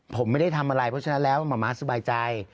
ผมไม่ได้ทำอะไรเพราะฉะนั้นแล้วหมาม้าสบายใจ